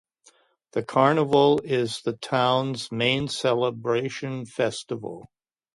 The Carnival is the town's main celebration festival.